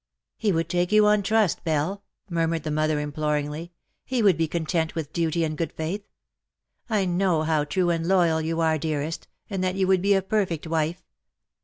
^^ '^He would take you on trust, Belle,"^ murmured the mother, imploringly; "he would be content with duty and good faith. I know how true and loyal you are, dearest, and that you would be a perfect wife.